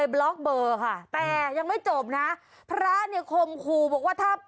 เลยบล็อกเบอร์ค่ะแต่ยังไม่จบนะพระครองคู่บอกว่า